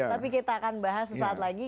tapi kita akan bahas sesaat lagi